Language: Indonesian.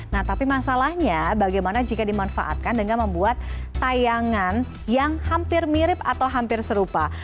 nah tapi masalahnya bagaimana jika dimanfaatkan dengan membuat tayangan yang hampir mirip atau hampir serupa